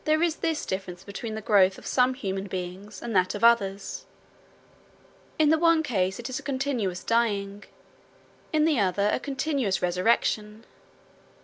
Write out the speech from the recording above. There is this difference between the growth of some human beings and that of others: in the one case it is a continuous dying, in the other a continuous resurrection.